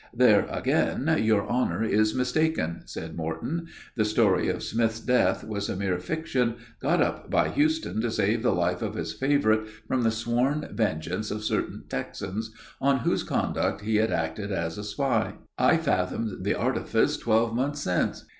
"There, again, your honor is mistaken," said Morton. "The story of Smith's death was a mere fiction, got up by Houston to save the life of his favorite from the sworn vengeance of certain Texans, on whose conduct he had acted as a spy. I fathomed the artifice twelve months since."